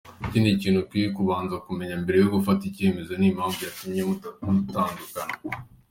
Ikindi kintu ukwiye kubanza kumenya mbere yo gufata icyemezo ni impamvu yatumye mutandukana.